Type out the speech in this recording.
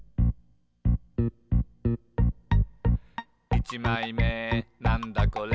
「いちまいめなんだこれ？